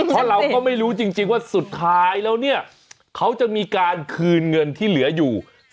เพราะเราก็ไม่รู้จริงว่าสุดท้ายแล้วเนี่ยเขาจะมีการคืนเงินที่เหลืออยู่